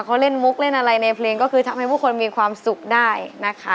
เขาเล่นมุกเล่นอะไรในเพลงก็คือทำให้ผู้คนมีความสุขได้นะคะ